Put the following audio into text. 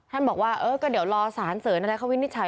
บอกว่าเออก็เดี๋ยวรอสารเสริญอะไรเขาวินิจฉัย